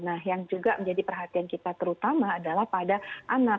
nah yang juga menjadi perhatian kita terutama adalah pada anak